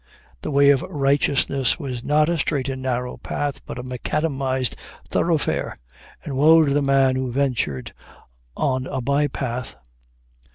The way of righteousness was not a straight and narrow path, but a macadamized thoroughfare, and woe to the man who ventured on a by path!